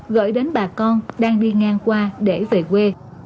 gửi đến bà con đang đi ngang qua để về quê